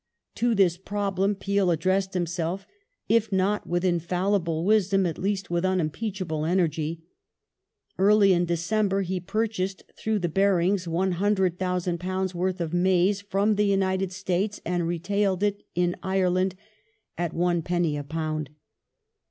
To this problem Peel addressed himself, if not with infallible wisdom, at least with unimpeachable energy. Early in December he purchased, through the Barings, £100,000 worth of maize from the United States and retailed it in Ireland at one penny a pound.